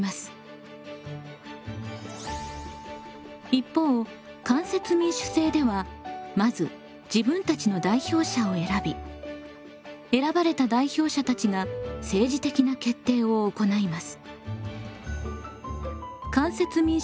一方間接民主制ではまず自分たちの代表者を選び選ばれた代表者たちが政治的な決定を行います。